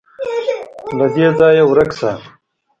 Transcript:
_له دې ځايه ورک شه.